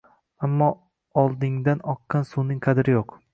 Ammo, «oldingdan oqqan suvning qadri yo‘q»